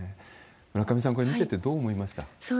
村上さん、これ見ててどう思いました？